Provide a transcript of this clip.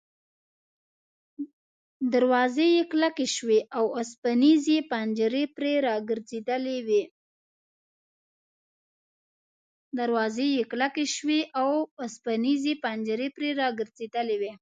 دروازې یې کلکې شوې وې او اوسپنیزې پنجرې پرې را ګرځېدلې وې.